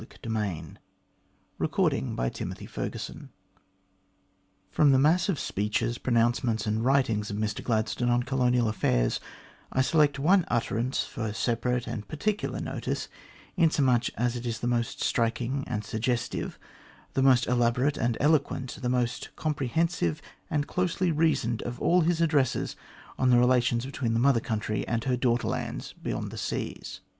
CHAPTER XVI MR GLADSTONE'S TRUE PRINCIPLES OF COLONISATION FROM the mass of speeches, pronouncements, and writings of Mr Gladstone on colonial affairs, I select one utterance for separate and particular notice, inasmuch as it is the most striking and suggestive, the most elaborate and eloquent, the most comprehensive and closely reasoned of all his addresses on the relations between the Mother Country and her daughter lands beyond the seas.